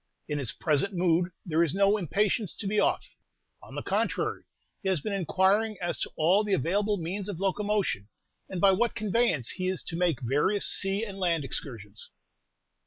"In his present mood there is no impatience to be off; on the contrary, he has been inquiring as to all the available means of locomotion, and by what convenience he is to make various sea and land excursions."